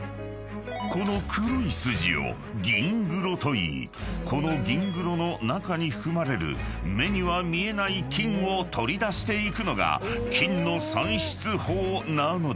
［この黒い筋を銀黒といいこの銀黒の中に含まれる目には見えない金を取り出していくのが金の産出法なのだ］